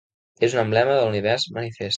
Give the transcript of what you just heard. És un emblema de l'univers manifest.